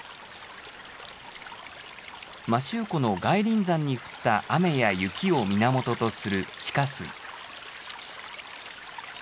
摩周湖の外輪山に降った雨や雪を源とする地下水。